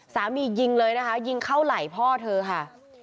ยิงเลยนะคะยิงเข้าไหล่พ่อเธอค่ะ